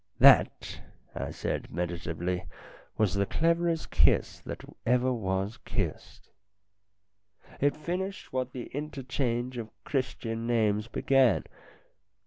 " That," I said meditatively, " was the cleverest kiss that ever was kissed. It finished what the interchange of Christian names began.